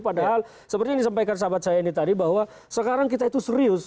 padahal seperti yang disampaikan sahabat saya ini tadi bahwa sekarang kita itu serius